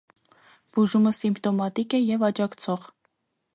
Բուժում սիմպտոմատիկ է և աջակցող։